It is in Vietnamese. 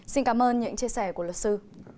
xin cảm ơn những chia sẻ của luật sư